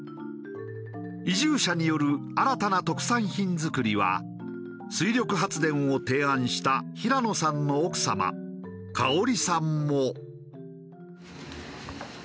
移住者による新たな特産品作りは水力発電を提案した平野さんの奥様馨生里さんも。